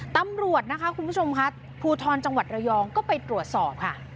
ตำรวจนะคะคุณผู้ชมค่ะภูทรจังหวัดระยองก็ไปตรวจสอบค่ะ